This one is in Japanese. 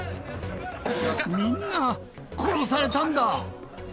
みんな殺されたんだ。